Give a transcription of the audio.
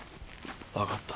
分かった。